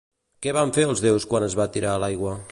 Què van fer els déus quan es va tirar a l'aigua?